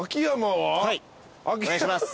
はいお願いします。